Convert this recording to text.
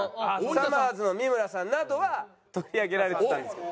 さまぁずの三村さんなどは取り上げられてたんですけど。